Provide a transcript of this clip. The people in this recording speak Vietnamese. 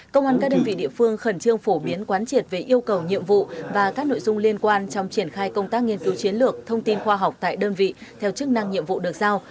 công an các đơn vị địa phương khẩn trương phổ biến quán triệt về yêu cầu nhiệm vụ và các nội dung liên quan trong triển khai công tác nghiên cứu chiến lược thông tin khoa học tại đơn vị theo chức năng nhiệm vụ được giao